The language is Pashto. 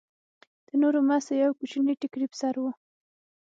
د نورو مازې يو کوچنى ټيکرى پر سر و.